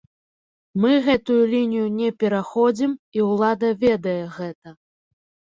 Мы гэтую лінію не пераходзім і ўлада ведае гэта.